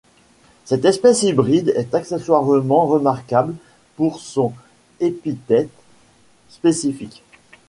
Cette espèce hybride est accessoirement remarquable pour son épithète spécifique.